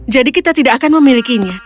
jadi kita tidak akan memilikinya